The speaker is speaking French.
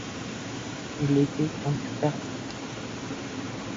Ils étaient donc perdus!